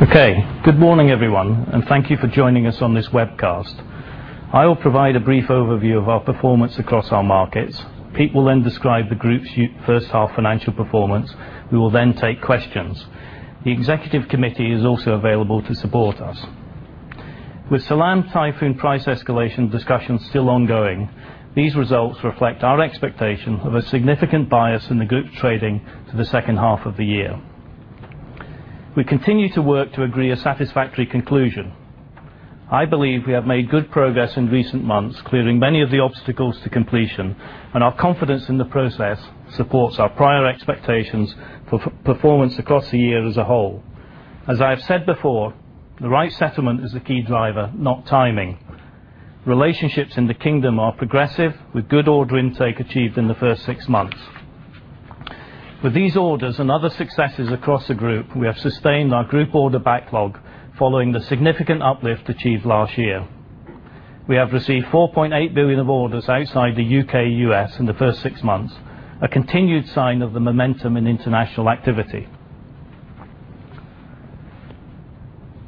Okay. Good morning, everyone, thank you for joining us on this webcast. I will provide a brief overview of our performance across our markets. Pete will describe the group's first half financial performance. We will take questions. The executive committee is also available to support us. With Al Salam Typhoon price escalation discussions still ongoing, these results reflect our expectation of a significant bias in the group's trading for the second half of the year. We continue to work to agree a satisfactory conclusion. I believe we have made good progress in recent months, clearing many of the obstacles to completion, our confidence in the process supports our prior expectations for performance across the year as a whole. As I have said before, the right settlement is the key driver, not timing. Relationships in the Kingdom are progressive, with good order intake achieved in the first six months. With these orders and other successes across the group, we have sustained our group order backlog following the significant uplift achieved last year. We have received 4.8 billion of orders outside the U.K./U.S. in the first six months, a continued sign of the momentum in international activity.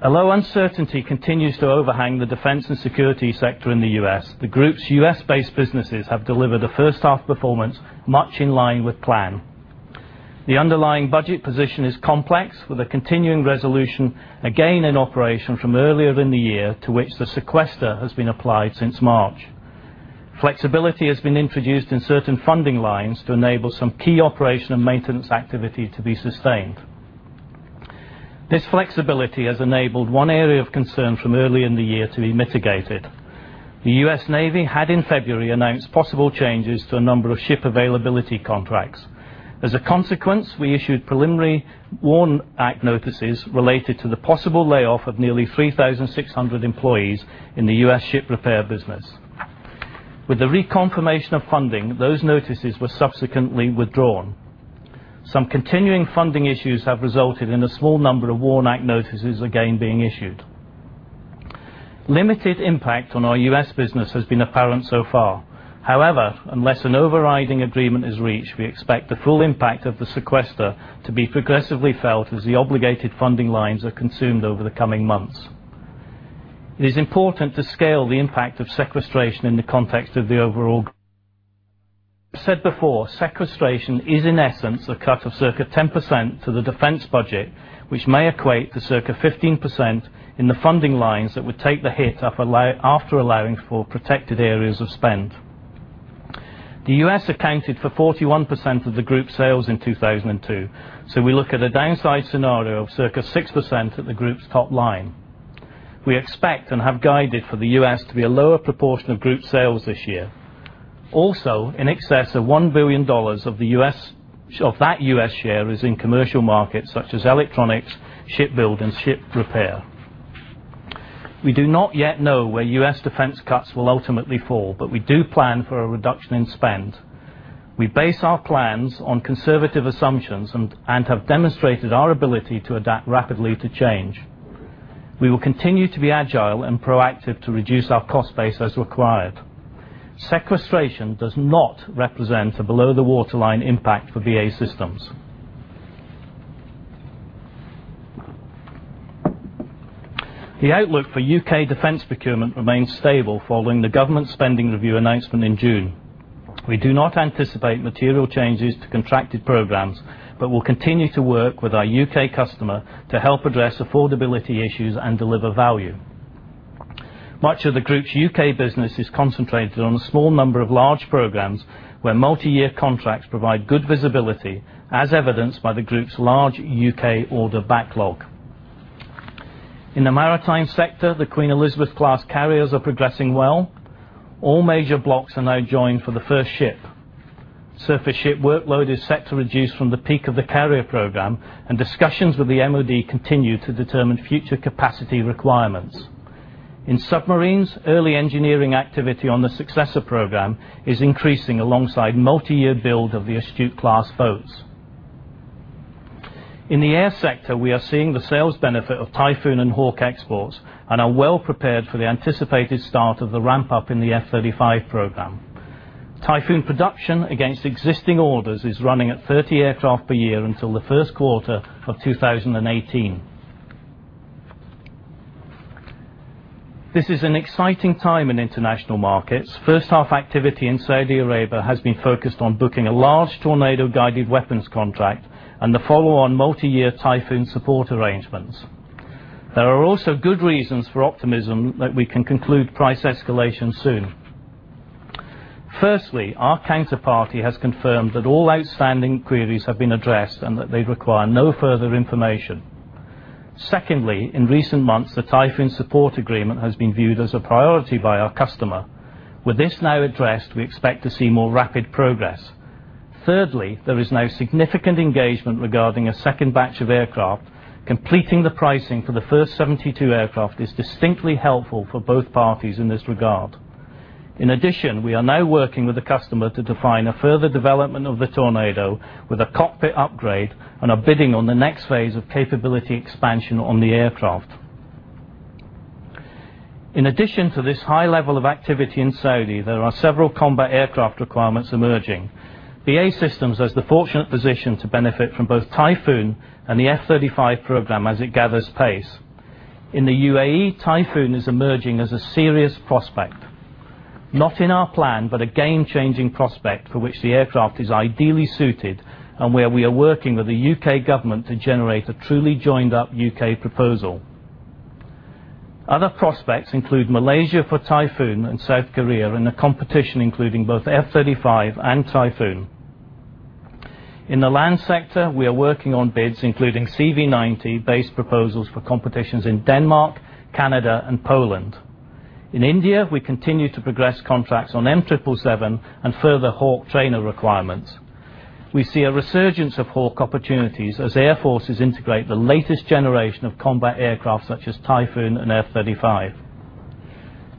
Although uncertainty continues to overhang the defense and security sector in the U.S., the group's U.S.-based businesses have delivered a first half performance much in line with plan. The underlying budget position is complex with a continuing resolution, again, in operation from earlier in the year, to which the sequester has been applied since March. Flexibility has been introduced in certain funding lines to enable some key operation and maintenance activity to be sustained. This flexibility has enabled one area of concern from early in the year to be mitigated. The U.S. Navy had, in February, announced possible changes to a number of ship availability contracts. As a consequence, we issued preliminary WARN Act notices related to the possible layoff of nearly 3,600 employees in the U.S. ship repair business. With the reconfirmation of funding, those notices were subsequently withdrawn. Some continuing funding issues have resulted in a small number of WARN Act notices again being issued. Limited impact on our U.S. business has been apparent so far. Unless an overriding agreement is reached, we expect the full impact of the sequester to be progressively felt as the obligated funding lines are consumed over the coming months. It is important to scale the impact of sequestration in the context of the overall. I've said before, sequestration is, in essence, a cut of circa 10% to the defense budget, which may equate to circa 15% in the funding lines that would take the hit after allowing for protected areas of spend. The U.S. accounted for 41% of the group sales in 2002, we look at a downside scenario of circa 6% at the group's top line. We expect and have guided for the U.S. to be a lower proportion of group sales this year. In excess of GBP 1 billion of that U.S. share is in commercial markets such as electronics, shipbuilding, ship repair. We do not yet know where U.S. defense cuts will ultimately fall, we do plan for a reduction in spend. We base our plans on conservative assumptions and have demonstrated our ability to adapt rapidly to change. We will continue to be agile and proactive to reduce our cost base as required. Sequestration does not represent a below the waterline impact for BAE Systems. The outlook for U.K. defense procurement remains stable following the government spending review announcement in June. We do not anticipate material changes to contracted programs, but will continue to work with our U.K. customer to help address affordability issues and deliver value. Much of the group's U.K. business is concentrated on a small number of large programs, where multi-year contracts provide good visibility, as evidenced by the group's large U.K. order backlog. In the maritime sector, the Queen Elizabeth class carriers are progressing well. All major blocks are now joined for the first ship. Surface ship workload is set to reduce from the peak of the carrier program, discussions with the MOD continue to determine future capacity requirements. In submarines, early engineering activity on the Successor program is increasing alongside multi-year build of the Astute class boats. In the air sector, we are seeing the sales benefit of Typhoon and Hawk exports and are well prepared for the anticipated start of the ramp-up in the F-35 program. Typhoon production against existing orders is running at 30 aircraft per year until the first quarter of 2018. This is an exciting time in international markets. First half activity in Saudi Arabia has been focused on booking a large Tornado guided weapons contract and the follow-on multi-year Typhoon support arrangements. There are also good reasons for optimism that we can conclude price escalation soon. Firstly, our counterparty has confirmed that all outstanding queries have been addressed and that they require no further information. Secondly, in recent months, the Typhoon support agreement has been viewed as a priority by our customer. With this now addressed, we expect to see more rapid progress. Thirdly, there is now significant engagement regarding a second batch of aircraft. Completing the pricing for the first 72 aircraft is distinctly helpful for both parties in this regard. In addition, we are now working with the customer to define a further development of the Tornado with a cockpit upgrade and are bidding on the next phase of capability expansion on the aircraft. In addition to this high level of activity in Saudi, there are several combat aircraft requirements emerging. BAE Systems has the fortunate position to benefit from both Typhoon and the F-35 program as it gathers pace. In the UAE, Typhoon is emerging as a serious prospect. Not in our plan, but a game-changing prospect for which the aircraft is ideally suited and where we are working with the U.K. government to generate a truly joined-up U.K. proposal. Other prospects include Malaysia for Typhoon and South Korea in a competition including both F-35 and Typhoon. In the land sector, we are working on bids including CV90, base proposals for competitions in Denmark, Canada, and Poland. In India, we continue to progress contracts on M777 and further Hawk trainer requirements. We see a resurgence of Hawk opportunities as air forces integrate the latest generation of combat aircraft such as Typhoon and F-35.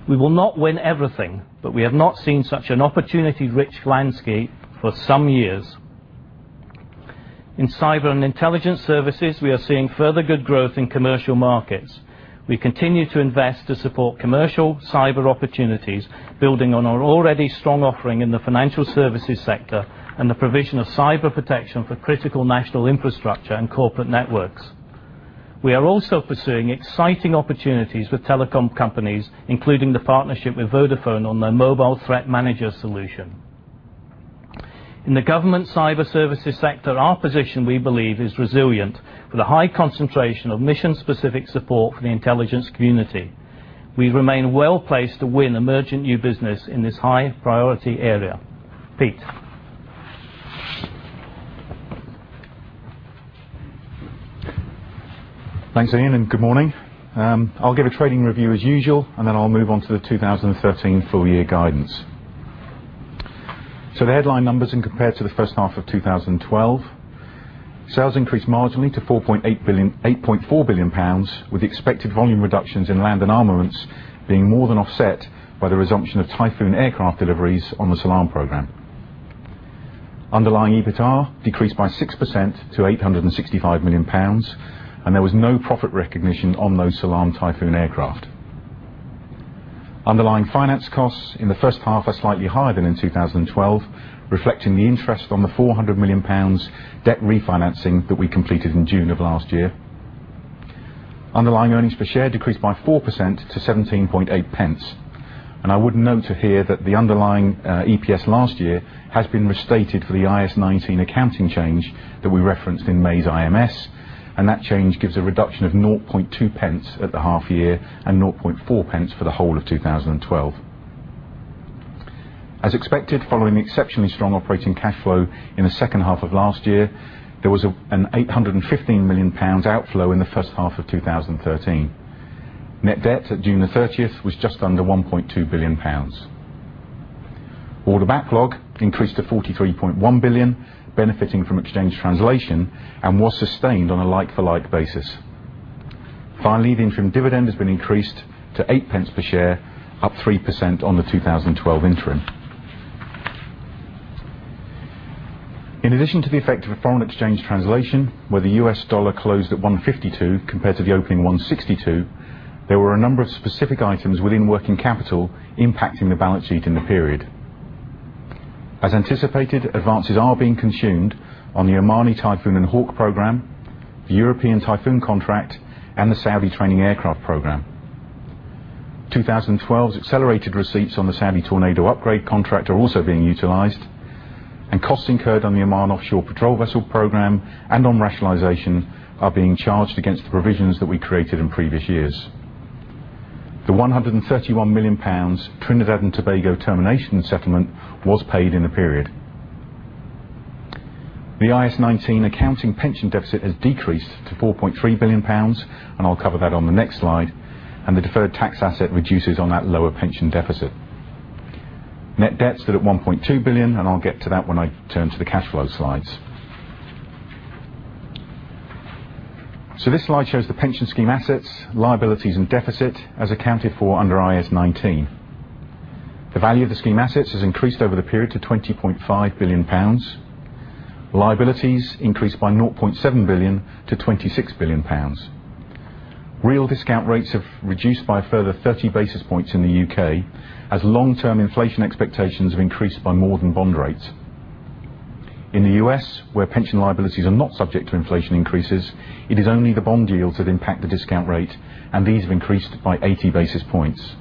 We will not win everything, but we have not seen such an opportunity-rich landscape for some years. In Cyber & Intelligence services, we are seeing further good growth in commercial markets. We continue to invest to support commercial cyber opportunities, building on our already strong offering in the financial services sector and the provision of cyber protection for critical national infrastructure and corporate networks. We are also pursuing exciting opportunities with telecom companies, including the partnership with Vodafone on their Vodafone Business Mobile Security. In the government cyber services sector, our position, we believe, is resilient with a high concentration of mission-specific support for the intelligence community. We remain well-placed to win emerging new business in this high-priority area. Pete. Thanks, Ian, and good morning. I'll give a trading review as usual. Then I'll move on to the 2013 full year guidance. The headline numbers when compared to the first half of 2012, sales increased marginally to 8.4 billion pounds, with the expected volume reductions in Land & Armaments being more than offset by the resumption of Typhoon aircraft deliveries on the Al Salam program. Underlying EBITA decreased by 6% to 865 million pounds, and there was no profit recognition on those Al Salam Typhoon aircraft. Underlying finance costs in the first half are slightly higher than in 2012, reflecting the interest on the 400 million pounds debt refinancing that we completed in June of last year. Underlying earnings per share decreased by 4% to 0.178. I would note here that the underlying EPS last year has been restated for the IAS 19 accounting change that we referenced in May's IMS, and that change gives a reduction of 0.002 at the half year and 0.004 for the whole of 2012. As expected, following the exceptionally strong operating cash flow in the second half of last year, there was a 815 million pounds outflow in the first half of 2013. Net debt at June 30th was just under 1.2 billion pounds. Order backlog increased to 43.1 billion, benefiting from exchange translation, and was sustained on a like-for-like basis. Finally, the interim dividend has been increased to 0.08 per share, up 3% on the 2012 interim. In addition to the effect of a foreign exchange translation, where the US dollar closed at 152 compared to the opening 162, there were a number of specific items within working capital impacting the balance sheet in the period. As anticipated, advances are being consumed on the Omani Typhoon and Hawk program, the European Typhoon contract, and the Saudi training aircraft program. 2012's accelerated receipts on the Saudi Tornado upgrade contract are also being utilized, and costs incurred on the Oman Offshore Patrol Vessel program and on rationalization are being charged against the provisions that we created in previous years. The 131 million pounds Trinidad & Tobago termination settlement was paid in the period. The IAS 19 accounting pension deficit has decreased to 4.3 billion pounds, and I'll cover that on the next slide, and the deferred tax asset reduces on that lower pension deficit. Net debts sit at 1.2 billion, I'll get to that when I turn to the cash flow slides. This slide shows the pension scheme assets, liabilities, and deficit as accounted for under IAS 19. The value of the scheme assets has increased over the period to 20.5 billion pounds. Liabilities increased by 0.7 billion to 26 billion pounds. Real discount rates have reduced by a further 30 basis points in the U.K. as long-term inflation expectations have increased by more than bond rates. In the U.S., where pension liabilities are not subject to inflation increases, it is only the bond yields that impact the discount rate, and these have increased by 80 basis points.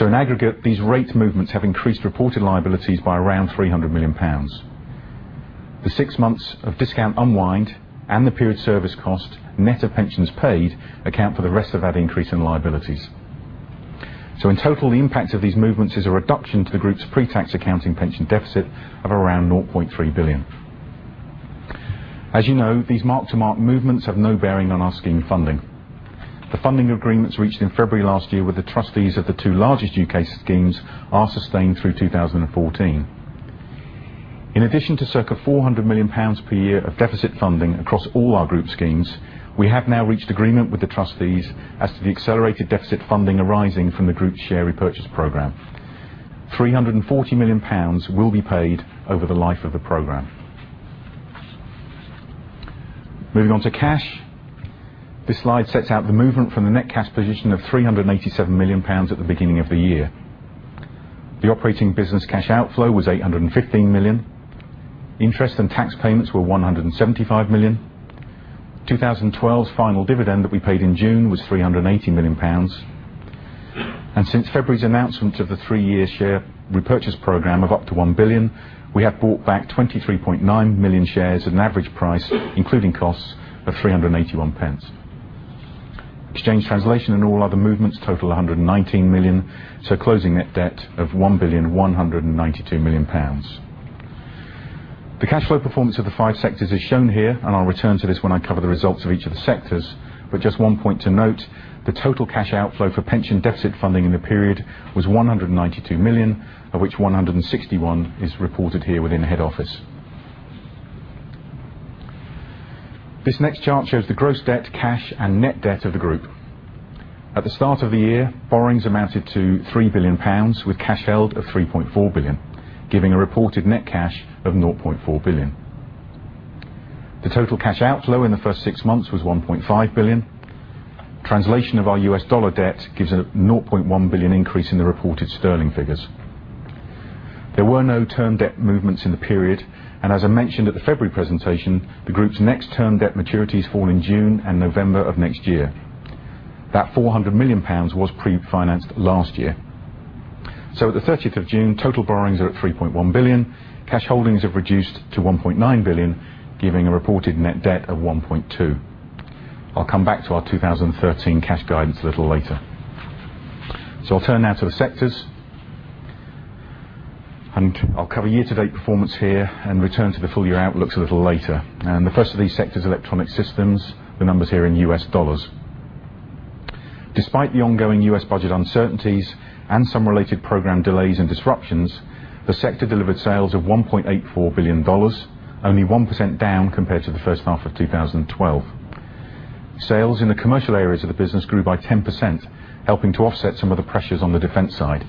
In aggregate, these rate movements have increased reported liabilities by around 300 million pounds. The six months of discount unwind and the period service cost, net of pensions paid, account for the rest of that increase in liabilities. In total, the impact of these movements is a reduction to the group's pre-tax accounting pension deficit of around 0.3 billion. As you know, these mark-to-market movements have no bearing on our scheme funding. The funding agreements reached in February last year with the trustees of the two largest U.K. schemes are sustained through 2014. In addition to circa 400 million pounds per year of deficit funding across all our group schemes, we have now reached agreement with the trustees as to the accelerated deficit funding arising from the group's share repurchase program. 340 million pounds will be paid over the life of the program. Moving on to cash. This slide sets out the movement from the net cash position of 387 million pounds at the beginning of the year. The operating business cash outflow was 815 million. Interest and tax payments were 175 million. 2012's final dividend that we paid in June was 380 million pounds. Since February's announcement of the three-year share repurchase program of up to 1 billion, we have bought back 23.9 million shares at an average price, including costs, of 3.81. Exchange translation and all other movements total 119 million, closing net debt of 1,192,000,000 pounds. The cash flow performance of the five sectors is shown here, I'll return to this when I cover the results of each of the sectors. Just one point to note, the total cash outflow for pension deficit funding in the period was 192 million, of which 161 is reported here within the head office. This next chart shows the gross debt, cash, and net debt of the group. At the start of the year, borrowings amounted to 3 billion pounds, with cash held of 3.4 billion, giving a reported net cash of 0.4 billion. The total cash outflow in the first six months was 1.5 billion. Translation of our U.S. dollar debt gives a 0.1 billion increase in the reported sterling figures. There were no term debt movements in the period, as I mentioned at the February presentation, the group's next term debt maturities fall in June and November of next year. That 400 million pounds was pre-financed last year. At the 30th of June, total borrowings are at 3.1 billion. Cash holdings have reduced to 1.9 billion, giving a reported net debt of 1.2. I'll come back to our 2013 cash guidance a little later. I'll turn now to the sectors. I'll cover year-to-date performance here and return to the full-year outlooks a little later. The first of these sectors, Electronic Systems, the numbers here in US dollars. Despite the ongoing U.S. budget uncertainties and some related program delays and disruptions, the sector delivered sales of $1.84 billion, only 1% down compared to the first half of 2012. Sales in the commercial areas of the business grew by 10%, helping to offset some of the pressures on the defense side.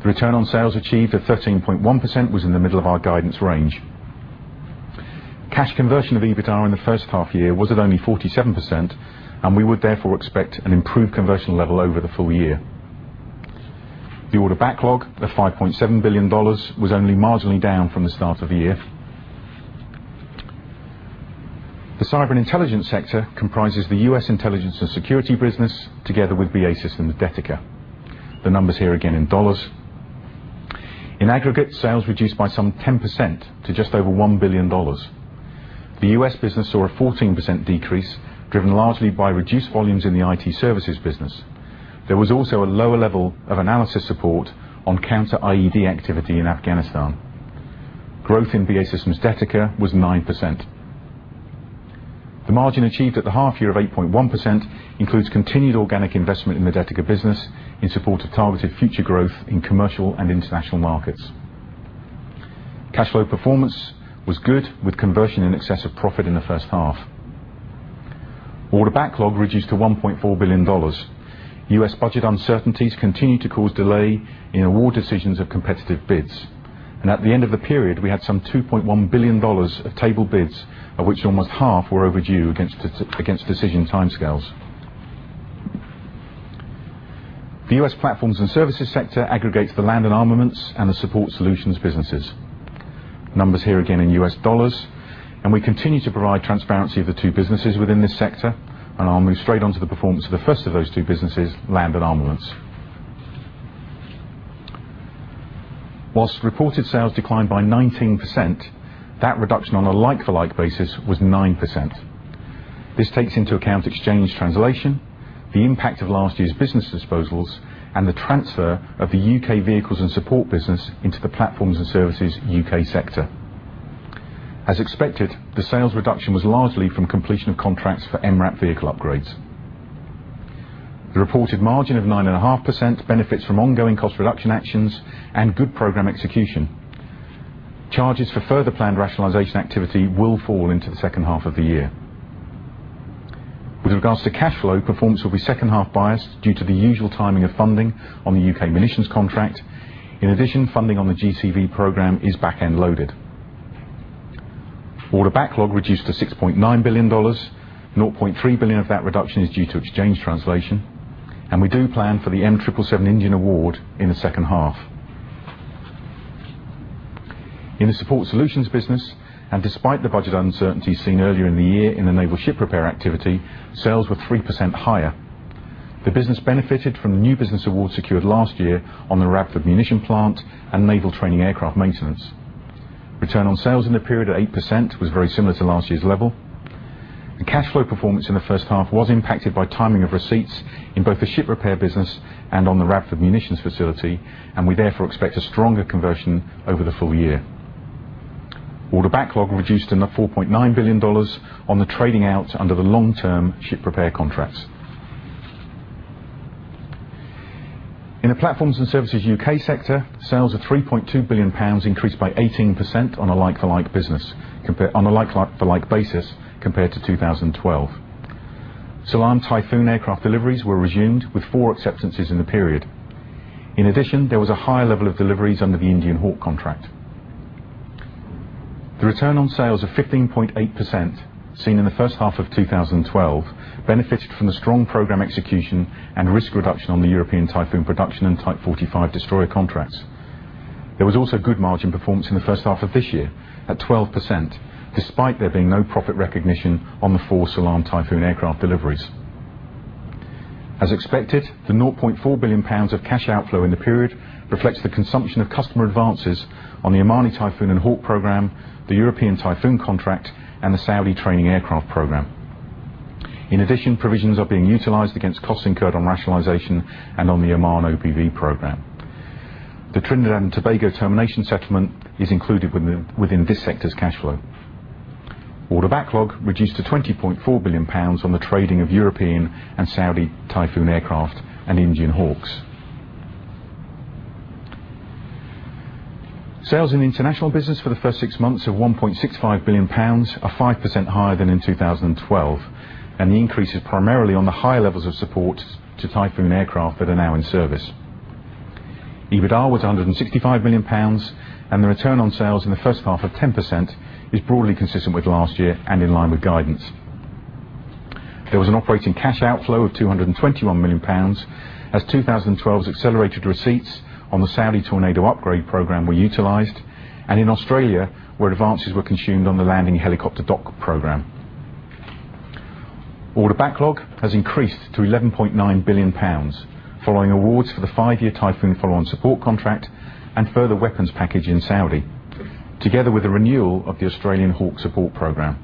The return on sales achieved of 13.1% was in the middle of our guidance range. Cash conversion of EBITDA in the first half year was at only 47%, we would therefore expect an improved conversion level over the full year. The order backlog of $5.7 billion was only marginally down from the start of the year. The Cyber & Intelligence sector comprises the U.S. intelligence and security business together with BAE Systems Detica. The numbers here again in dollars. In aggregate, sales reduced by some 10% to just over $1 billion. The U.S. business saw a 14% decrease, driven largely by reduced volumes in the IT services business. There was also a lower level of analysis support on counter-IED activity in Afghanistan. Growth in BAE Systems Detica was 9%. The margin achieved at the half year of 8.1% includes continued organic investment in the Detica business in support of targeted future growth in commercial and international markets. Cash flow performance was good, with conversion in excess of profit in the first half. Order backlog reduced to $1.4 billion. U.S. budget uncertainties continue to cause delay in award decisions of competitive bids. At the end of the period, we had some $2.1 billion of tabled bids, of which almost half were overdue against decision timescales. The U.S. Platforms & Services sector aggregates the Land & Armaments and the Support Solutions businesses. Numbers here again in US dollars, we continue to provide transparency of the two businesses within this sector. I'll move straight on to the performance of the first of those two businesses, Land & Armaments. Whilst reported sales declined by 19%, that reduction on a like-for-like basis was 9%. This takes into account exchange translation, the impact of last year's business disposals, and the transfer of the U.K. vehicles and support business into the Platforms & Services (UK) sector. As expected, the sales reduction was largely from completion of contracts for MRAP vehicle upgrades. The reported margin of 9.5% benefits from ongoing cost reduction actions and good program execution. Charges for further planned rationalization activity will fall into the second half of the year. With regards to cash flow, performance will be second half biased due to the usual timing of funding on the U.K. munitions contract. In addition, funding on the GCV program is back-end loaded. Order backlog reduced to $6.9 billion, 0.3 billion of that reduction is due to exchange translation. We do plan for the M777 engine award in the second half. In the Support Solutions business, despite the budget uncertainty seen earlier in the year in the naval ship repair activity, sales were 3% higher. The business benefited from the new business awards secured last year on the Radford Army Ammunition Plant and naval training aircraft maintenance. Return on sales in the period at 8% was very similar to last year's level. The cash flow performance in the first half was impacted by timing of receipts in both the ship repair business and on the Radford Munitions facility. We therefore expect a stronger conversion over the full year. Order backlog reduced to $4.9 billion on the trading outs under the long-term ship repair contracts. In the Platforms & Services (UK) sector, sales of 3.2 billion pounds increased by 18% on a like-for-like basis compared to 2012. Al Salam Typhoon aircraft deliveries were resumed with four acceptances in the period. In addition, there was a high level of deliveries under the Indian Hawk contract. The return on sales of 15.8% seen in the first half of 2012 benefited from the strong program execution and risk reduction on the European Typhoon production and Type 45 destroyer contracts. There was also good margin performance in the first half of this year, at 12%, despite there being no profit recognition on the four Al Salam Typhoon aircraft deliveries. As expected, the 0.4 billion pounds of cash outflow in the period reflects the consumption of customer advances on the Omani Typhoon and Hawk program, the European Typhoon contract, and the Saudi training aircraft program. In addition, provisions are being utilized against costs incurred on rationalization and on the Oman OPV program. The Trinidad and Tobago termination settlement is included within this sector's cash flow. Order backlog reduced to 20.4 billion pounds on the trading of European and Saudi Typhoon aircraft and Indian Hawks. Sales in the international business for the first six months are 1.65 billion pounds, are 5% higher than in 2012. The increase is primarily on the high levels of support to Typhoon aircraft that are now in service. EBITDA was 165 million pounds. The return on sales in the first half of 10% is broadly consistent with last year and in line with guidance. There was an operating cash outflow of 221 million pounds as 2012's accelerated receipts on the Saudi Tornado upgrade program were utilized, in Australia, where advances were consumed on the Landing Helicopter Dock program. Order backlog has increased to 11.9 billion pounds, following awards for the five-year Typhoon follow-on support contract and further weapons package in Saudi, together with the renewal of the Australian Hawk support program.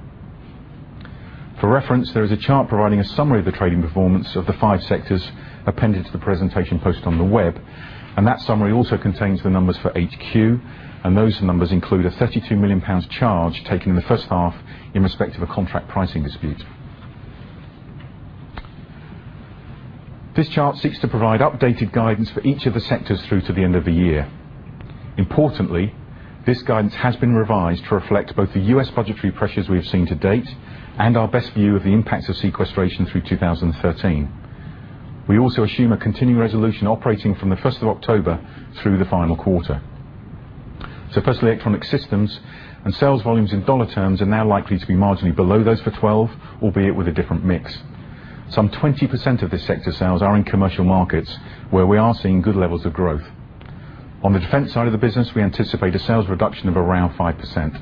For reference, there is a chart providing a summary of the trading performance of the five sectors appended to the presentation posted on the web. That summary also contains the numbers for HQ. Those numbers include a 32 million pounds charge taken in the first half in respect of a contract pricing dispute. This chart seeks to provide updated guidance for each of the sectors through to the end of the year. Importantly, this guidance has been revised to reflect both the U.S. budgetary pressures we have seen to date and our best view of the impact of sequestration through 2013. We also assume a continuing resolution operating from the 1st of October through the final quarter. Firstly, Electronic Systems sales volumes in dollar terms are now likely to be marginally below those for 2012, albeit with a different mix. Some 20% of this sector's sales are in commercial markets, where we are seeing good levels of growth. On the defense side of the business, we anticipate a sales reduction of around 5%.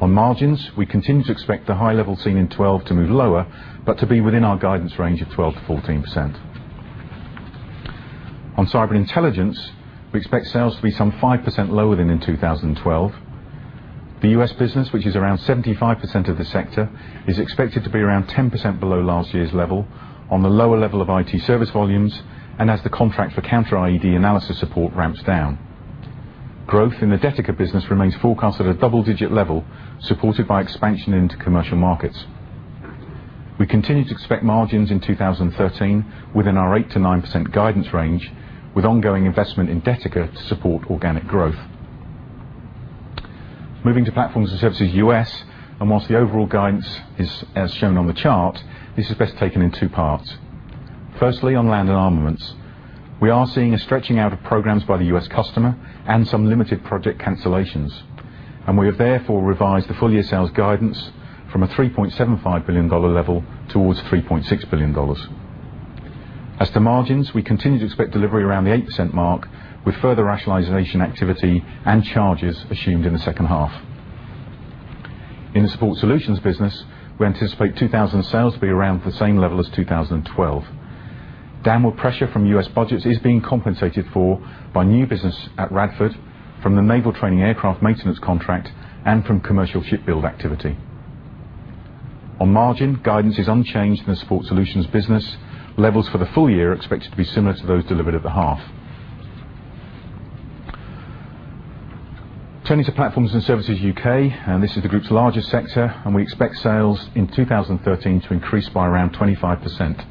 On margins, we continue to expect the high level seen in 2012 to move lower, but to be within our guidance range of 12%-14%. On Cyber & Intelligence, we expect sales to be some 5% lower than in 2012. The U.S. business, which is around 75% of the sector, is expected to be around 10% below last year's level on the lower level of IT service volumes and as the contract for counter-IED analysis support ramps down. Growth in the Detica business remains forecast at a double-digit level, supported by expansion into commercial markets. We continue to expect margins in 2013 within our 8%-9% guidance range, with ongoing investment in Detica to support organic growth. Moving to Platforms & Services U.S., whilst the overall guidance is as shown on the chart, this is best taken in two parts. Firstly, on Land & Armaments, we are seeing a stretching out of programs by the U.S. customer and some limited project cancellations. We have therefore revised the full-year sales guidance from a $3.75 billion level towards $3.6 billion. As to margins, we continue to expect delivery around the 8% mark with further rationalization activity and charges assumed in the second half. In the Support Solutions business, we anticipate 2013 sales to be around the same level as 2012. Downward pressure from U.S. budgets is being compensated for by new business at Radford, from the Naval Training Aircraft Maintenance contract, and from commercial ship build activity. On margin, guidance is unchanged in the Support Solutions business. Levels for the full year are expected to be similar to those delivered at the half. Turning to Platforms & Services (UK), this is the group's largest sector. We expect sales in 2013 to increase by around 25%.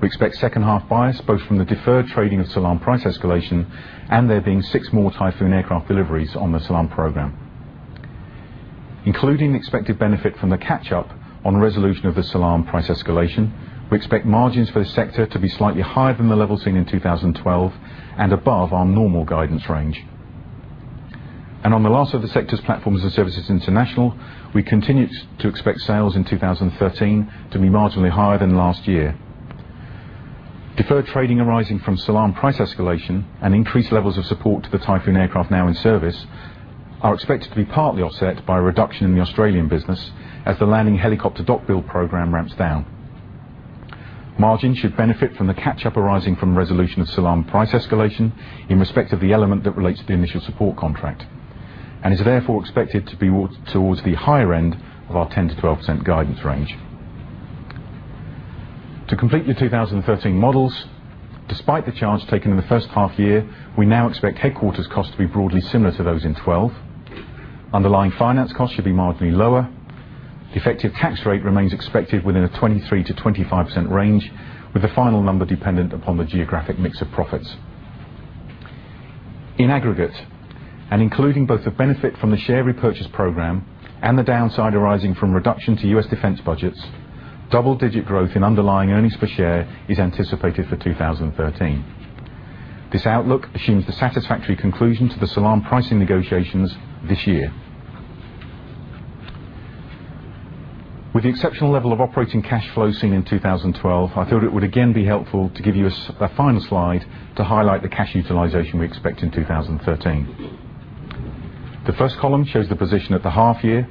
We expect second half bias, both from the deferred trading of Al Salam price escalation and there being six more Eurofighter Typhoon aircraft deliveries on the Al Salam program. Including the expected benefit from the catch-up on resolution of the Al Salam price escalation, we expect margins for this sector to be slightly higher than the level seen in 2012 and above our normal guidance range. On the last of the sector's Platforms & Services International, we continue to expect sales in 2013 to be marginally higher than last year. Deferred trading arising from Al Salam price escalation and increased levels of support to the Eurofighter Typhoon aircraft now in service are expected to be partly offset by a reduction in the Australian business as the landing helicopter dock build program ramps down. Margin should benefit from the catch-up arising from resolution of Al Salam price escalation in respect of the element that relates to the initial support contract and is therefore expected to be towards the higher end of our 10%-12% guidance range. To complete the 2013 models, despite the charge taken in the first half year, we now expect headquarters costs to be broadly similar to those in 2012. Underlying finance costs should be marginally lower. Effective tax rate remains expected within a 23%-25% range, with the final number dependent upon the geographic mix of profits. In aggregate, including both the benefit from the share repurchase program and the downside arising from reduction to U.S. defense budgets, double-digit growth in underlying earnings per share is anticipated for 2013. This outlook assumes the satisfactory conclusion to the Al Salam pricing negotiations this year. With the exceptional level of operating cash flow seen in 2012, I thought it would again be helpful to give you a final slide to highlight the cash utilization we expect in 2013. The first column shows the position at the half year.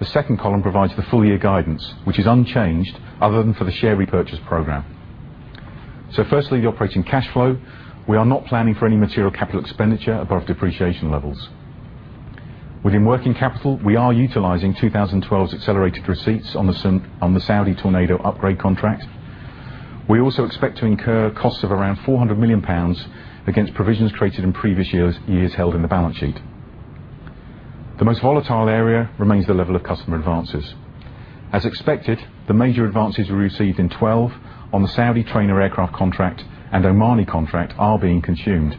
The second column provides the full year guidance, which is unchanged other than for the share repurchase program. Firstly, the operating cash flow. We are not planning for any material capital expenditure above depreciation levels. Within working capital, we are utilizing 2012's accelerated receipts on the Saudi Tornado upgrade contract. We also expect to incur costs of around 400 million pounds against provisions created in previous years held in the balance sheet. The most volatile area remains the level of customer advances. As expected, the major advances we received in 2012 on the Saudi trainer aircraft contract and Omani contract are being consumed.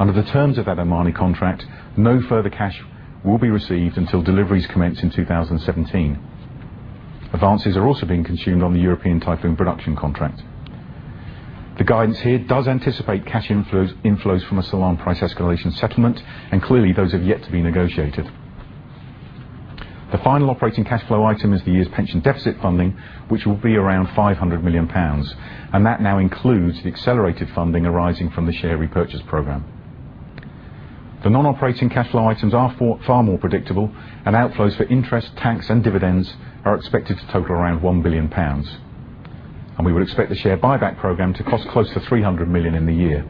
Under the terms of that Omani contract, no further cash will be received until deliveries commence in 2017. Advances are also being consumed on the Eurofighter Typhoon production contract. The guidance here does anticipate cash inflows from an Al Salam price escalation settlement. Clearly, those have yet to be negotiated. The final operating cash flow item is the year's pension deficit funding, which will be around 500 million pounds, and that now includes the accelerated funding arising from the share repurchase program. The non-operating cash flow items are far more predictable. Outflows for interest, tax, and dividends are expected to total around 1 billion pounds. We would expect the share buyback program to cost close to 300 million in the year.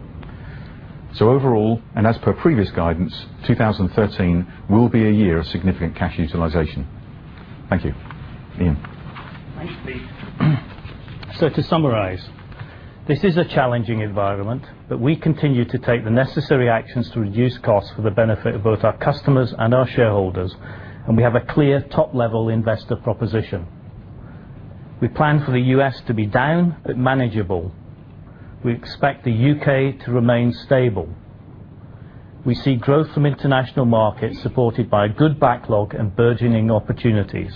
Overall, as per previous guidance, 2013 will be a year of significant cash utilization. Thank you, Ian. Thank you, Pete. To summarize, this is a challenging environment. We continue to take the necessary actions to reduce costs for the benefit of both our customers and our shareholders. We have a clear top-level investor proposition. We plan for the U.S. to be down but manageable. We expect the U.K. to remain stable. We see growth from international markets supported by good backlog and burgeoning opportunities.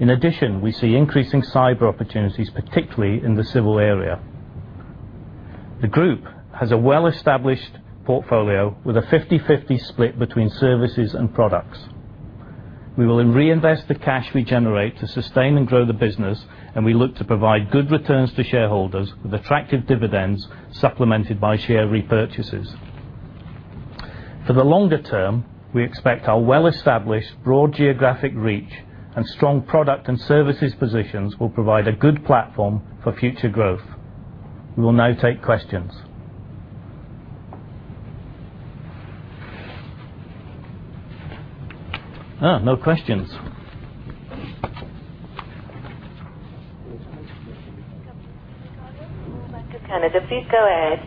In addition, we see increasing cyber opportunities, particularly in the civil area. The group has a well-established portfolio with a 50/50 split between services and products. We will reinvest the cash we generate to sustain and grow the business. We look to provide good returns to shareholders with attractive dividends, supplemented by share repurchases. For the longer term, we expect our well-established broad geographic reach and strong product and services positions will provide a good platform for future growth. We will now take questions. No questions. Canada. Please go ahead.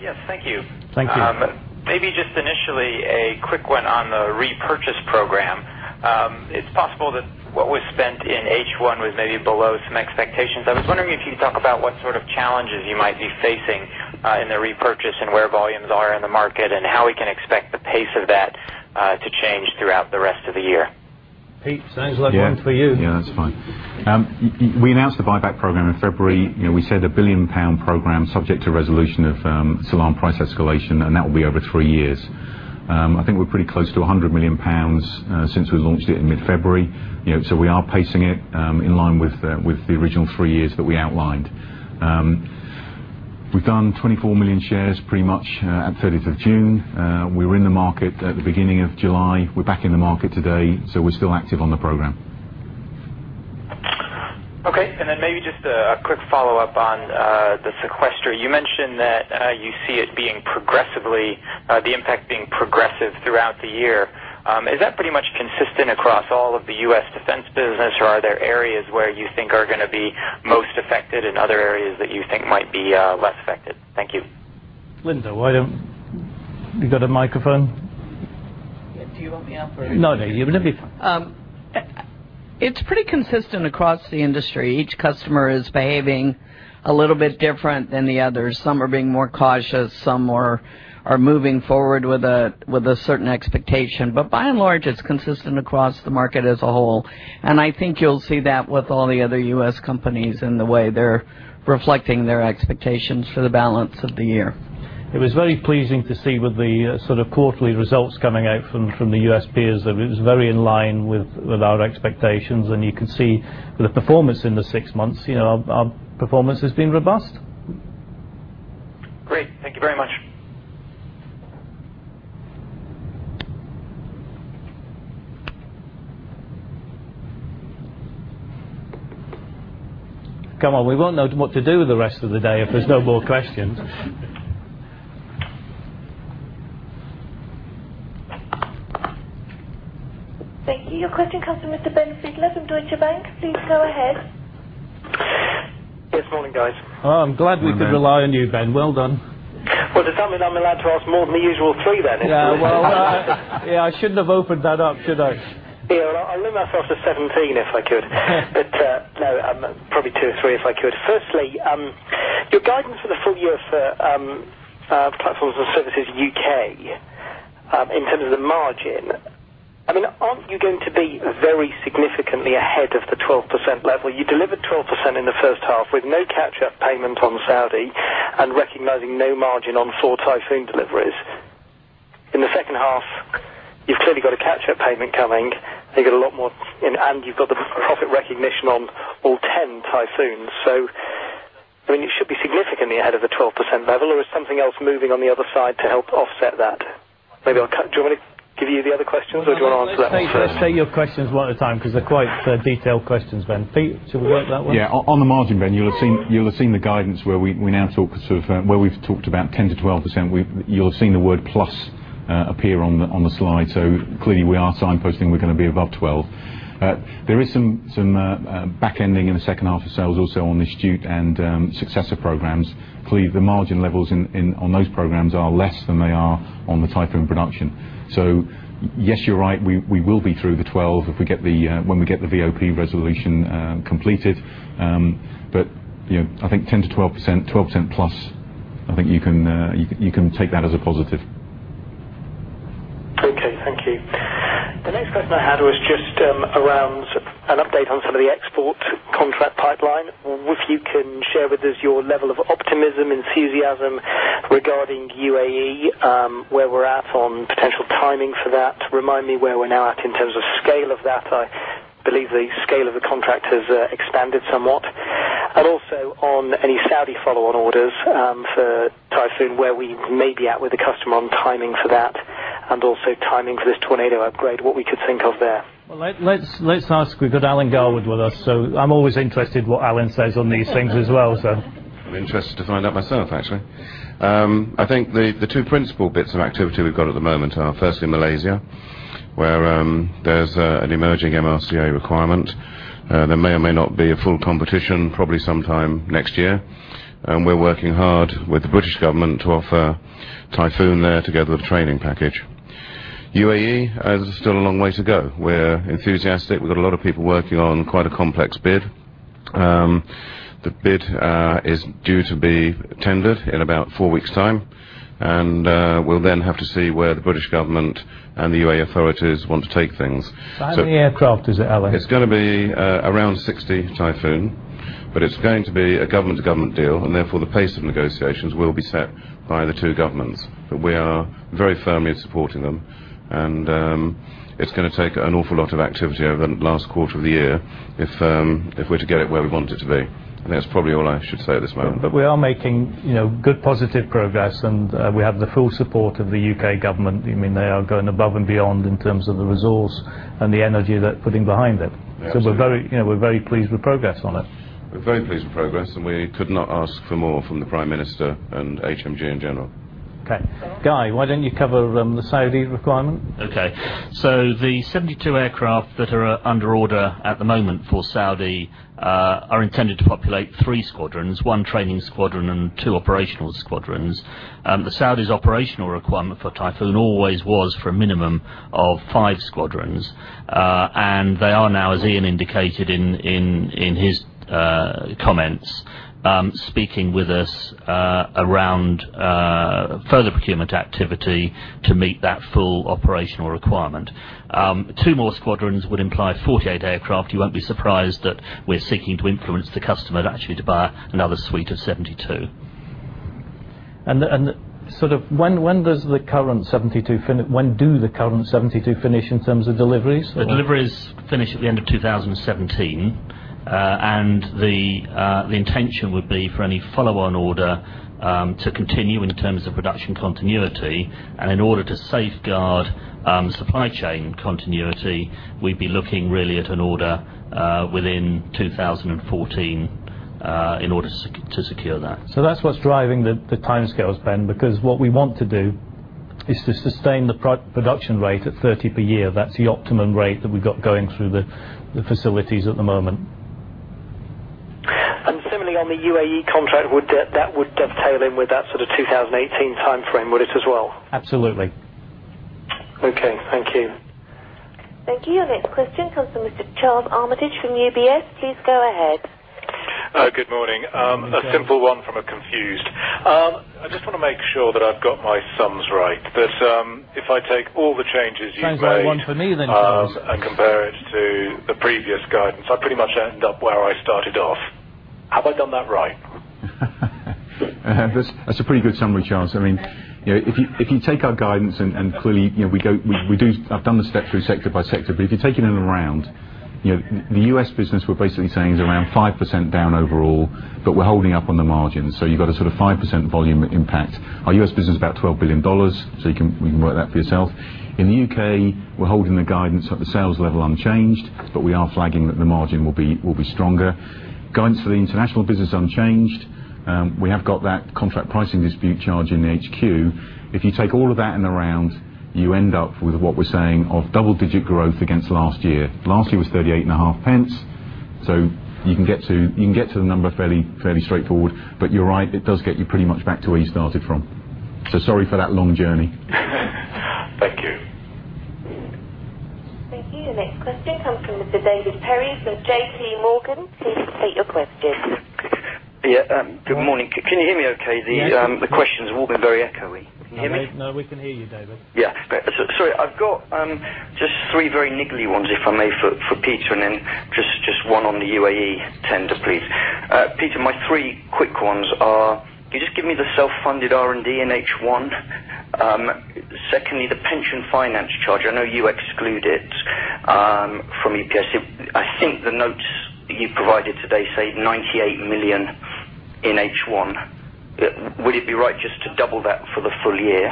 Yes. Thank you. Thank you. Maybe just initially a quick one on the repurchase program. It's possible that what was spent in H1 was maybe below some expectations. I was wondering if you could talk about what sort of challenges you might be facing in the repurchase and where volumes are in the market, and how we can expect the pace of that to change throughout the rest of the year. Pete, sounds like one for you. Yeah. That's fine. We announced the buyback program in February. We said a billion-pound program subject to resolution of Salam price escalation, and that will be over three years. I think we're pretty close to 100 million pounds since we launched it in mid-February. We are pacing it in line with the original three years that we outlined. We've done 24 million shares pretty much at 30th of June. We were in the market at the beginning of July. We're back in the market today, we're still active on the program. Okay. Then maybe just a quick follow-up on the sequester. You mentioned that you see the impact being progressive throughout the year. Is that pretty much consistent across all of the U.S. defense business, or are there areas where you think are going to be most affected and other areas that you think might be less affected? Thank you. Linda, you got a microphone? Do you want me up? No, no. You're going to be fine. It's pretty consistent across the industry. Each customer is behaving a little bit different than the others. Some are being more cautious, some are moving forward with a certain expectation. By and large, it's consistent across the market as a whole, and I think you'll see that with all the other U.S. companies in the way they're reflecting their expectations for the balance of the year. It was very pleasing to see with the sort of quarterly results coming out from the U.S. peers that it was very in line with our expectations. You can see with the performance in the six months, our performance has been robust. Great. Thank you very much. Come on. We won't know what to do with the rest of the day if there's no more questions. Thank you. Your question comes from Mr. Ben Fidler, Deutsche Bank. Please go ahead. Yes. Morning, guys. Oh, I'm glad we could rely on you, Ben. Well done. Well, does that mean I'm allowed to ask more than the usual three then? Yeah, well. Yeah, I shouldn't have opened that up, should I? Ian, I limit myself to 17 if I could. No, probably two or three if I could. Firstly, your guidance for the full year for Platforms & Services (UK), in terms of the margin, aren't you going to be very significantly ahead of the 12% level? You delivered 12% in the first half with no catch-up payment on Saudi and recognizing no margin on four Typhoon deliveries. In the second half, you've clearly got a catch-up payment coming, and you've got the profit recognition on all 10 Typhoons. You should be significantly ahead of the 12% level, or is something else moving on the other side to help offset that? Do you want me to give you the other questions, or do you want to answer that one first? Let's take your questions one at a time because they're quite detailed questions, Ben. Pete, should we work that one? On the margin, Ben, you'll have seen the guidance where we've talked about 10%-12%. You'll have seen the word plus appear on the slide. Clearly, we are signposting we're going to be above 12. There is some back-ending in the second half of sales also on the Astute and Successor programme. Clearly, the margin levels on those programs are less than they are on the Typhoon production. Yes, you're right, we will be through the 12 when we get the VoP resolution completed. I think 10%-12%, 12% plus, I think you can take that as a positive. Thank you. The next question I had was just around an update on some of the export contract pipeline. If you can share with us your level of optimism, enthusiasm regarding UAE, where we're at on potential timing for that. Remind me where we're now at in terms of scale of that. I believe the scale of the contract has expanded somewhat. Also, on any Saudi follow-on orders for Typhoon, where we may be at with the customer on timing for that, and also timing for this Tornado upgrade, what we could think of there. Well, let's ask. We've got Alan Garwood with us. I'm always interested what Alan says on these things as well. I'm interested to find out myself, actually. I think the two principal bits of activity we've got at the moment are, firstly, Malaysia, where there's an emerging MRCA requirement. There may or may not be a full competition, probably sometime next year. We're working hard with the British Government to offer Typhoon there together with a training package. UAE is still a long way to go. We're enthusiastic. We've got a lot of people working on quite a complex bid. The bid is due to be tendered in about four weeks' time, we'll then have to see where the British Government and the UAE authorities want to take things. How many aircraft is it, Alan? It's going to be around 60 Typhoon, it's going to be a government-to-government deal, therefore, the pace of negotiations will be set by the two governments. We are very firmly supporting them, it's going to take an awful lot of activity over the last quarter of the year if we're to get it where we want it to be. I think that's probably all I should say at this moment. We are making good, positive progress, and we have the full support of the UK Government. They are going above and beyond in terms of the resource and the energy they are putting behind it. Absolutely. We're very pleased with progress on it. We're very pleased with progress, and we could not ask for more from the Prime Minister and HMG in general. Okay. Guy, why don't you cover the Saudi requirement? The 72 aircraft that are under order at the moment for Saudi are intended to populate three squadrons, one training squadron and two operational squadrons. The Saudis' operational requirement for Typhoon always was for a minimum of five squadrons. They are now, as Ian indicated in his comments, speaking with us around further procurement activity to meet that full operational requirement. Two more squadrons would imply 48 aircraft. You won't be surprised that we're seeking to influence the customer actually to buy another suite of 72. When do the current 72 finish in terms of deliveries? The deliveries finish at the end of 2017. The intention would be for any follow-on order to continue in terms of production continuity. In order to safeguard supply chain continuity, we'd be looking really at an order within 2014 in order to secure that. That's what's driving the timescales, Ben, because what we want to do is to sustain the production rate at 30 per year. That's the optimum rate that we've got going through the facilities at the moment. Similarly, on the UAE contract, that would dovetail in with that sort of 2018 timeframe, would it as well? Absolutely. Okay. Thank you. Thank you. Our next question comes from Mr. Charles Armitage from UBS. Please go ahead. Good morning. Morning. A simple one from a confused. I just want to make sure that I've got my sums right, that if I take all the changes you've made- Sounds like one for me, Charles. Compare it to the previous guidance, I pretty much end up where I started off. Have I done that right? That's a pretty good summary, Charles. If you take our guidance, clearly, I've done the steps through sector by sector, if you're taking it around, the U.S. business, we're basically saying, is around 5% down overall, we're holding up on the margin. You've got a sort of 5% volume impact. Our U.S. business is about $12 billion, you can work that for yourself. In the U.K., we're holding the guidance at the sales level unchanged, we are flagging that the margin will be stronger. Guidance for the international business unchanged. We have got that contract pricing dispute charge in HQ. If you take all of that in the round, you end up with what we're saying of double-digit growth against last year. Last year was 0.385. You can get to the number fairly straightforward. You're right, it does get you pretty much back to where you started from. Sorry for that long journey. Thank you. Thank you. The next question comes from Mr. David Perry from J.P. Morgan. Please state your question. Yeah, good morning. Can you hear me okay? The questions have all been very echoey. Can you hear me? We can hear you, David. Great. Sorry, I've got just three very niggly ones, if I may, for Peter, and then just one on the UAE tender, please. Peter, my three quick ones are, can you just give me the self-funded R&D in H1? Secondly, the pension finance charge. I know you exclude it from EPS. I think the notes that you provided today say 98 million in H1. Would it be right just to double that for the full year?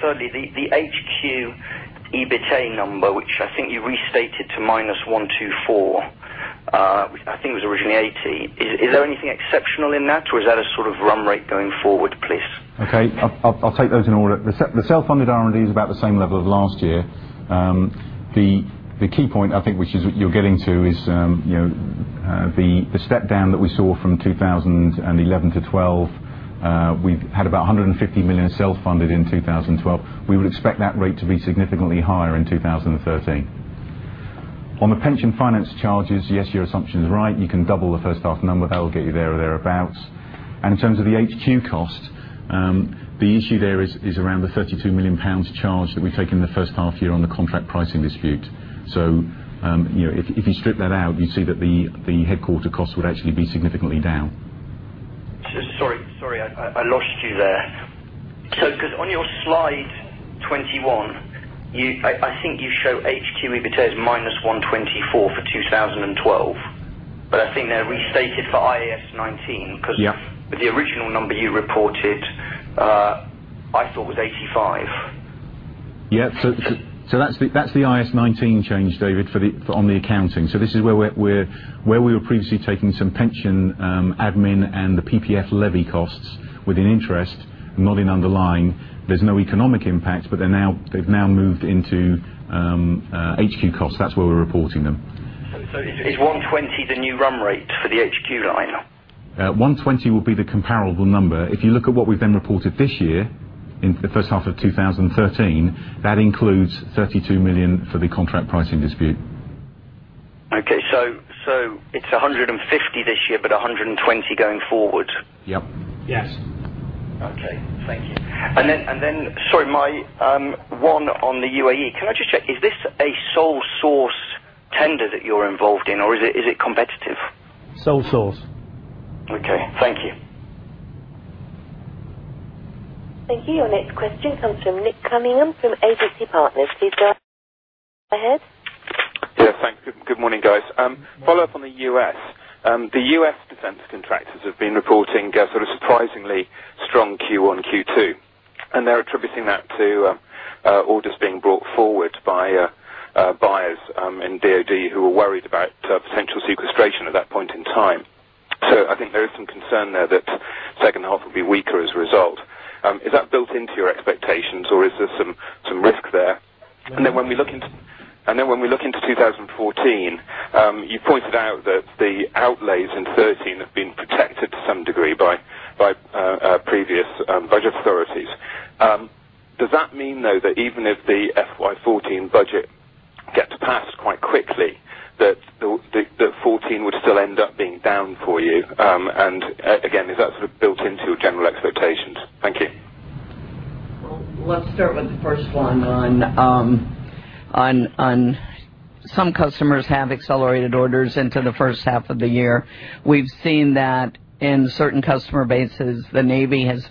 Thirdly, the HQ EBITA number, which I think you restated to minus 124. I think it was originally 80. Is there anything exceptional in that, or is that a sort of run rate going forward, please? Okay. I'll take those in order. The self-funded R&D is about the same level of last year. The key point, I think, which is what you're getting to, is the step down that we saw from 2011 to 2012. We've had about 150 million self-funded in 2012. We would expect that rate to be significantly higher in 2013. On the pension finance charges, yes, your assumption is right. You can double the first half number. That will get you there or thereabout. In terms of the HQ cost, the issue there is around the 32 million pounds charge that we took in the first half year on the contract pricing dispute. If you strip that out, you'd see that the headquarter cost would actually be significantly down. Sorry, I lost you there. Because on your slide 21, I think you show HQ EBITA as minus 124 for 2012, but I think they're restated for IAS 19- Yeah The original number you reported, I thought was 85. That's the IAS 19 change, David, on the accounting. This is where we were previously taking some pension admin and the PPF levy costs within interest, not in underlying. There's no economic impact, they've now moved into HQ costs. That's where we're reporting them. Is 120 the new run rate for the HQ line? 120 will be the comparable number. If you look at what we've then reported this year in the first half of 2013, that includes 32 million for the contract pricing dispute. Okay. It's 150 this year, but 120 going forward. Yep. Yes. Okay, thank you. Sorry, my one on the UAE, can I just check, is this a sole source tender that you're involved in, or is it competitive? Sole source. Okay. Thank you. Thank you. Your next question comes from Nick Cunningham from Agency Partners. Please go ahead. Yeah. Thanks. Good morning, guys. Follow-up on the U.S. The U.S. defense contractors have been reporting sort of surprisingly strong Q1, Q2, and they're attributing that to orders being brought forward by buyers in DoD who are worried about potential sequestration at that point in time. I think there is some concern there that second half will be weaker as a result. Is that built into your expectations, or is there some risk there? When we look into 2014, you pointed out that the outlays in 2013 have been protected to some degree by previous budget authorities. Does that mean, though, that even if the FY 2014 budget gets passed quite quickly, that 2014 would still end up being down for you? Is that sort of built into your general expectations? Thank you. Well, let's start with the first one on some customers have accelerated orders into the first half of the year. We've seen that in certain customer bases. The Navy has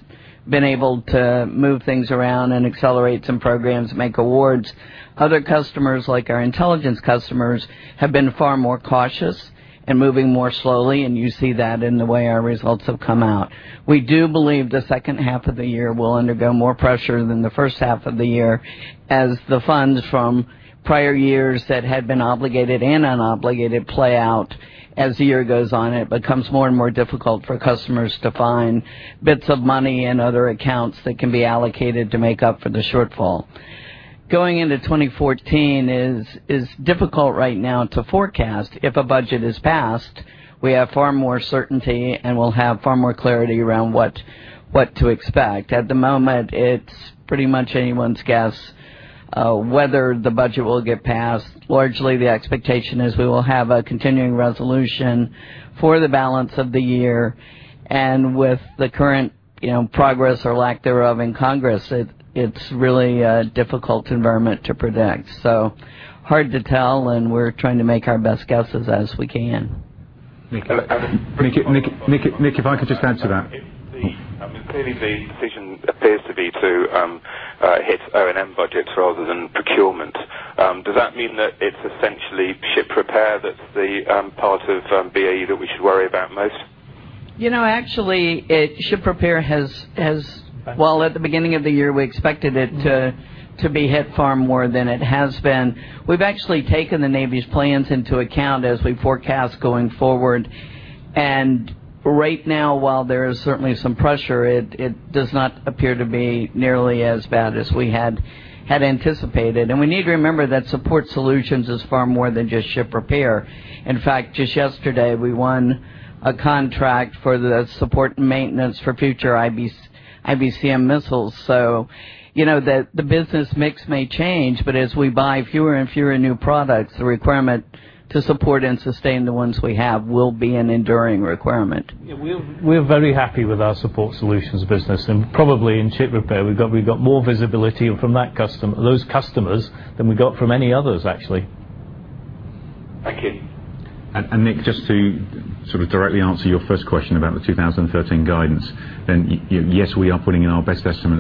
been able to move things around and accelerate some programs, make awards. Other customers, like our intelligence customers, have been far more cautious and moving more slowly, and you see that in the way our results have come out. We do believe the second half of the year will undergo more pressure than the first half of the year, as the funds from prior years that had been obligated and unobligated play out. As the year goes on, it becomes more and more difficult for customers to find bits of money in other accounts that can be allocated to make up for the shortfall. Going into 2014 is difficult right now to forecast. If a budget is passed, we have far more certainty, and we'll have far more clarity around what to expect. At the moment, it's pretty much anyone's guess whether the budget will get passed. Largely, the expectation is we will have a continuing resolution for the balance of the year. With the current progress or lack thereof in Congress, it's really a difficult environment to predict. Hard to tell, and we're trying to make our best guesses as we can. Nick, if I could just answer that. Clearly the decision appears to be to hit O&M budgets rather than procurement. Does that mean that it's essentially ship repair that's the part of BAE that we should worry about most? Actually, ship repair. Well, at the beginning of the year, we expected it to be hit far more than it has been. We've actually taken the Navy's plans into account as we forecast going forward. Right now, while there is certainly some pressure, it does not appear to be nearly as bad as we had anticipated. We need to remember that Support Solutions is far more than just ship repair. In fact, just yesterday, we won a contract for the support and maintenance for future ICBM missiles. The business mix may change, but as we buy fewer and fewer new products, the requirement to support and sustain the ones we have will be an enduring requirement. Yeah, we're very happy with our Support Solutions business, probably in ship repair, we've got more visibility from those customers than we got from any others, actually. Thank you. Nick, just to sort of directly answer your first question about the 2013 guidance, then yes, we are putting in our best estimate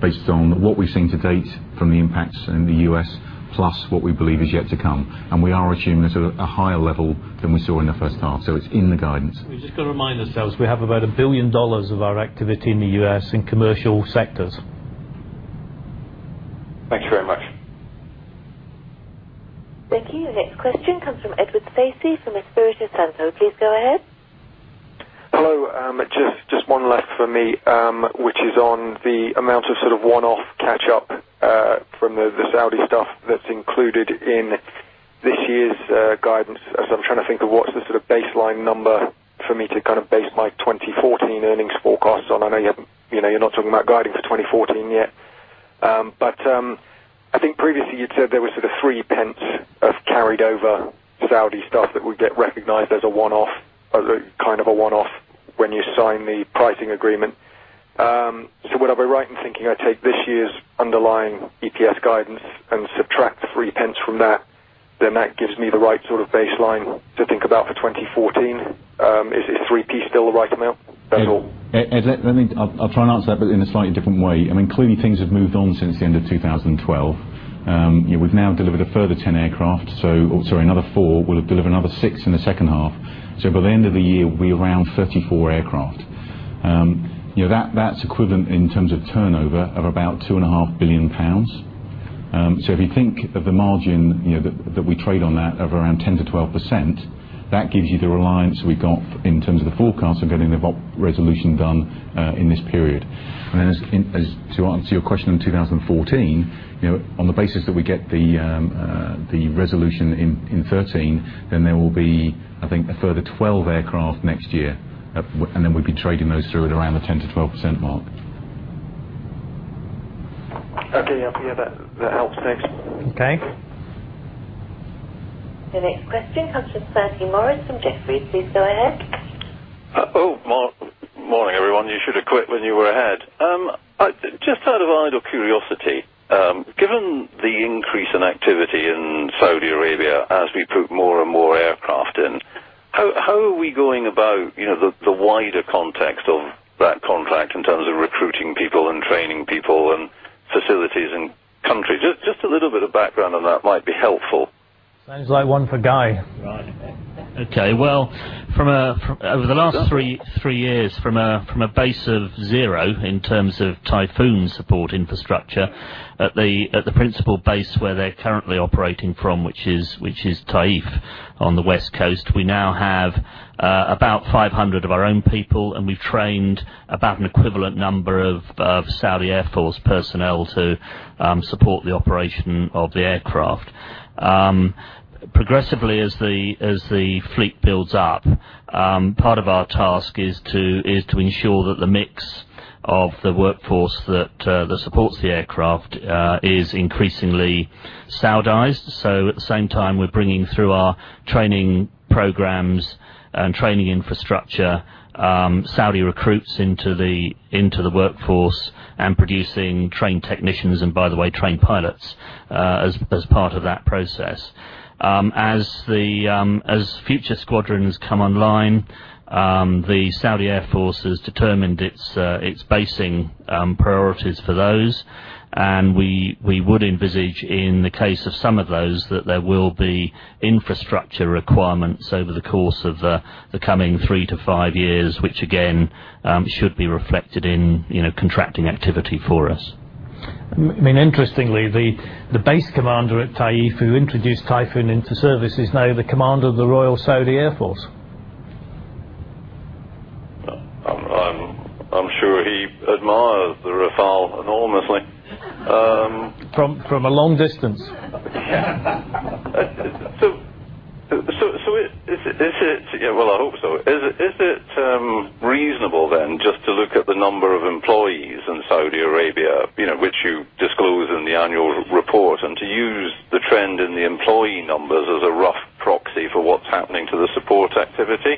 based on what we've seen to date from the impacts in the U.S. plus what we believe is yet to come, and we are assuming a higher level than we saw in the first half. It's in the guidance. We just got to remind ourselves, we have about $1 billion of our activity in the U.S. in commercial sectors. Thanks very much. Thank you. Next question comes from Edward Stacey from Espirito Santo. Please go ahead. Hello, just one last from me, which is on the amount of sort of one-off catch-up from the Saudi stuff that's included in this year's guidance, as I'm trying to think of what's the sort of baseline number for me to base my 2014 earnings forecast on. I know you're not talking about guiding for 2014 yet. I think previously, you'd said there was sort of 0.03 of carried over Saudi stuff that would get recognized as a one-off, kind of a one-off when you sign the pricing agreement. Would I be right in thinking I take this year's underlying EPS guidance and subtract the GBP 0.03 from that, then that gives me the right sort of baseline to think about for 2014? Is 0.03 still the right amount? That's all. Ed, I'll try and answer that in a slightly different way. Clearly things have moved on since the end of 2012. We've now delivered a further 10 aircraft, sorry, another four. We'll deliver another six in the second half. By the end of the year, we're around 34 aircraft. That's equivalent in terms of turnover of about two and a half billion pounds. If you think of the margin that we trade on that of around 10%-12%, that gives you the reliance we got in terms of the forecast of getting the resolution done, in this period. To answer your question on 2014, on the basis that we get the resolution in 2013, there will be, I think, a further 12 aircraft next year, and then we'd be trading those through at around the 10%-12% mark. Okay, yeah. That helps. Thanks. Okay. The next question comes from Sandy Morris from Jefferies. Please go ahead. Morning, everyone. You should have quit when you were ahead. Just out of idle curiosity, given the increase in activity in Saudi Arabia as we put more and more aircraft in, how are we going about the wider context of that contract in terms of recruiting people and training people and facilities and countries? Just a little bit of background on that might be helpful. Sounds like one for Guy. Right. Okay. Well, over the last three years, from a base of zero in terms of Typhoon support infrastructure at the principal base where they're currently operating from, which is Taif on the West Coast, we now have about 500 of our own people, and we've trained about an equivalent number of Saudi Air Force personnel to support the operation of the aircraft. Progressively, as the fleet builds up, part of our task is to ensure that the mix of the workforce that supports the aircraft is increasingly Saudized. At the same time, we're bringing through our training programs and training infrastructure, Saudi recruits into the workforce and producing trained technicians and, by the way, trained pilots as part of that process. As future squadrons come online, the Saudi Air Force has determined its basing priorities for those, and we would envisage in the case of some of those that there will be infrastructure requirements over the course of the coming three to five years, which again, should be reflected in contracting activity for us. Interestingly, the base commander at Taif, who introduced Typhoon into service, is now the commander of the Royal Saudi Air Force. I'm sure he admires the Rafale enormously. From a long distance. Well, I hope so. Is it reasonable then just to look at the number of employees in Saudi Arabia, which you disclose in the annual report, and to use the trend in the employee numbers as a rough proxy for what's happening to the support activity?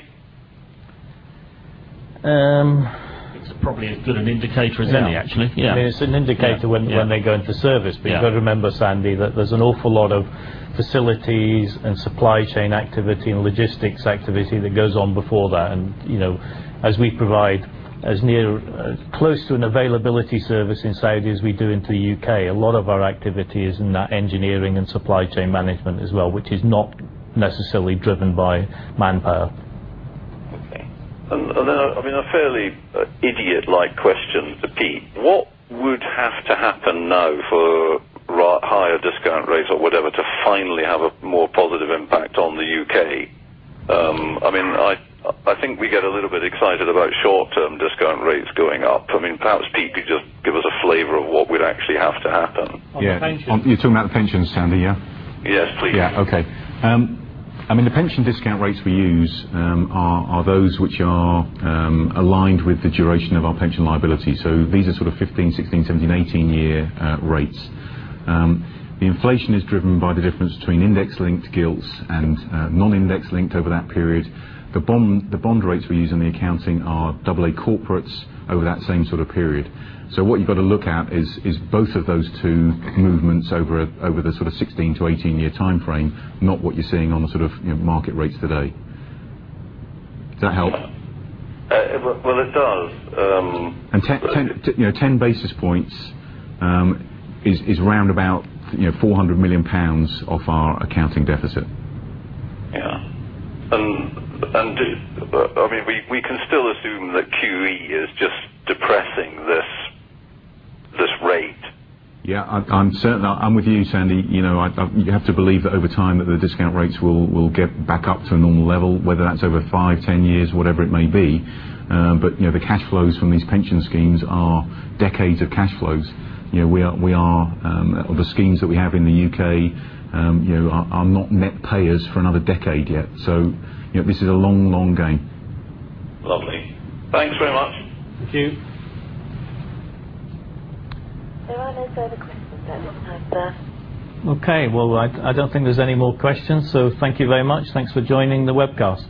It's probably as good an indicator as any, actually. Yeah. It's an indicator when they go into service. Yeah. You got to remember, Sandy, that there's an awful lot of facilities and supply chain activity and logistics activity that goes on before that, and as we provide as close to an availability service in Saudi as we do into the U.K., a lot of our activity is in that engineering and supply chain management as well, which is not necessarily driven by manpower. Okay. Then, a fairly idiot-like question for Pete, what would have to happen now for higher discount rates or whatever to finally have a more positive impact on the U.K.? I think we get a little bit excited about short-term discount rates going up. Perhaps, Pete, you just give us a flavor of what would actually have to happen. On the pension. You're talking about the pensions, Sandy, yeah? Yes, please. Yeah. Okay. The pension discount rates we use are those which are aligned with the duration of our pension liability. These are sort of 15, 16, 17, 18-year rates. The inflation is driven by the difference between index-linked gilts and non-index-linked over that period. The bond rates we use in the accounting are AA corporates over that same sort of period. What you've got to look at is both of those two movements over the sort of 16 to 18-year timeframe, not what you're seeing on the sort of market rates today. Does that help? Well, it does. 10 basis points is round about 400 million pounds of our accounting deficit. Yeah. We can still assume that QE is just depressing this rate. Yeah. I'm certain. I'm with you, Sandy. You have to believe that over time, that the discount rates will get back up to a normal level, whether that's over 5, 10 years, whatever it may be. The cash flows from these pension schemes are decades of cash flows. The schemes that we have in the U.K. are not net payers for another decade yet. This is a long, long game. Lovely. Thanks very much. Thank you. There are no further questions at this time, sir. Okay. Well, I don't think there's any more questions. Thank you very much. Thanks for joining the webcast.